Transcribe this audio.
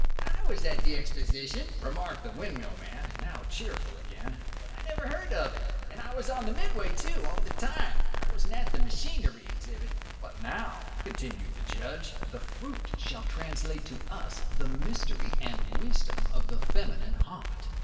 "I was at the Exposition," remarked the windmill man, now cheerful again, "but I never heard of it. And I was on the Midway, too, all the time I wasn't at the machinery exhibit." "But now," continued the Judge, "the fruit shall translate to us the mystery and wisdom of the feminine heart.